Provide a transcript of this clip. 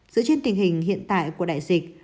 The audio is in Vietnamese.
dựa trên tình hình hiện tại của đại dịch